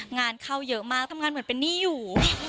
งานเข้าเยอะมากทำงานเหมือนเป็นหนี้อยู่